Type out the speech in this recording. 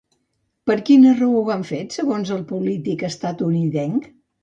Per quina raó ho han fet, segons el polític estatunidenc?